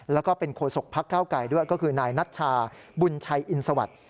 แล้วก็เป็นโคศกพักเก้าไกลด้วยก็คือนายนัชชาบุญชัยอินสวัสดิ์